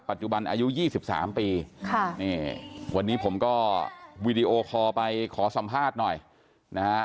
อายุ๒๓ปีค่ะนี่วันนี้ผมก็วีดีโอคอลไปขอสัมภาษณ์หน่อยนะฮะ